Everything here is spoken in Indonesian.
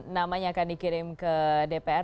namanya akan dikirim ke dpr